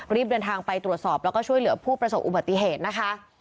รีบเดินทางไปตรวจสอบแล้วก็ช่วยเหลือผู้ประสบอุบัติเหตุนะคะ